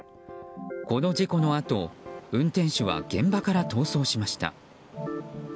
この事故のあと運転手は現場から逃走しました。